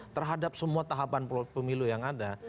terhadap semua tahapan pemilu yang ada